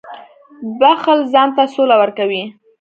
• بښل ځان ته سوله ورکوي.